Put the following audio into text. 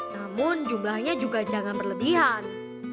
namun jumlahnya juga jangan berlebihan